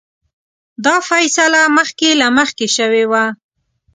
دا فیصله مخکې له مخکې شوې وه.